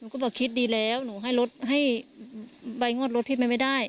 ก็บอกคิดดีแล้วหนูให้รถให้ใบงวดรถพี่มันไม่ได้